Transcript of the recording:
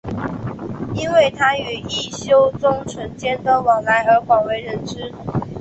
因为他与一休宗纯间的往来而广为人知。